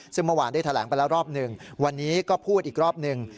ซึ่งเมื่อวานได้แถลงไปแล้วรอบหนึ่งวันนี้ก็พูดอีกรอบหนึ่ง